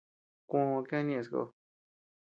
Kuoʼo kiana ñeʼe sakó.